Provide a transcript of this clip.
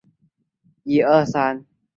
大字是以后成为党总裁的人物